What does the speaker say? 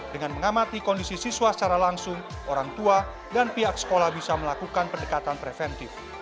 dengan mengamati kondisi siswa secara langsung orang tua dan pihak sekolah bisa melakukan pendekatan preventif